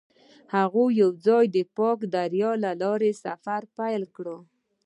هغوی یوځای د پاک دریا له لارې سفر پیل کړ.